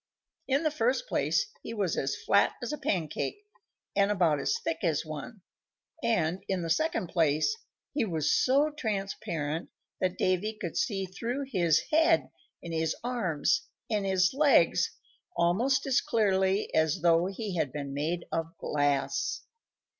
In the first place he was as flat as a pancake, and about as thick as one; and, in the second place, he was so transparent that Davy could see through his head and his arms and his legs almost as clearly as though he had been made of glass.